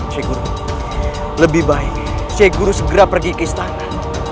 sheikh guru lebih baik sheikh guru segera pergi ke istana